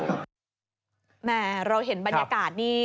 แหมเราเห็นบรรยากาศนี่